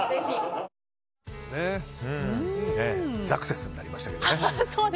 ザクセス！になりましたけどね。